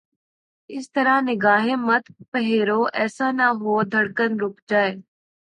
اس طرح نگاہیں مت پھیرو، ایسا نہ ہو دھڑکن رک جائے